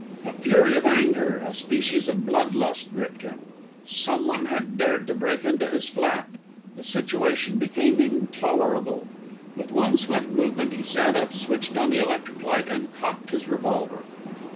A fury of anger, a species of blood lust gripped him. Someone had dared to break into his flat. The situation became intolerable. With one swift movement he sat up, switched on the electric light, and cocked his revolver.